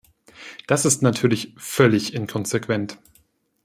Das ist natürlich völlig inkonsequent.